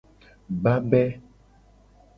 Gbabe.